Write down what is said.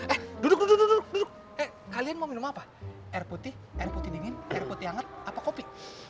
eh duduk duduk eh kalian mau minum apa air putih air putih dingin air putih hangat apa kopi